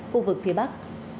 khu vực phía bắc